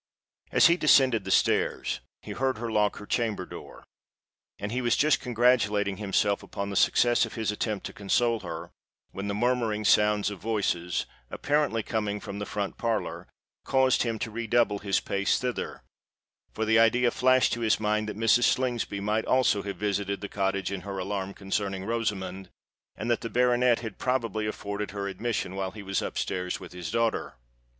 As he descended the stairs he heard her lock her chamber door; and he was just congratulating himself upon the success of his attempt to console her, when the murmuring sounds of voices, apparently coming from the front parlour, caused him to redouble his pace thither—for the idea flashed to his mind that Mrs. Slingsby might also have visited the cottage in her alarm concerning Rosamond, and that the baronet had probably afforded her admission while he was up stairs with his daughter.